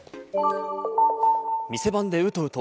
店番でうとうと。